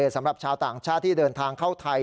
สำหรับชาวต่างชาติที่เดินทางเข้าไทย